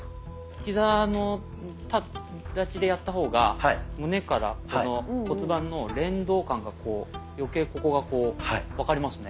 ヒザ立ちでやった方が胸からこの骨盤の連動感がこう余計ここがこう分かりますね。